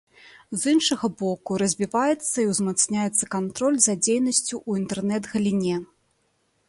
З іншага боку, развіваецца і ўзмацняецца кантроль за дзейнасцю ў інтэрнэт-галіне.